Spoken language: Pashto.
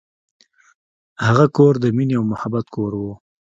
هغه کور د مینې او محبت کور و.